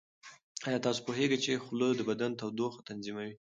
ایا تاسو پوهیږئ چې خوله د بدن تودوخه تنظیموي؟